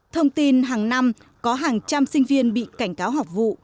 thông tin hàng năm có hàng trăm sinh viên bị cảnh cáo học vụ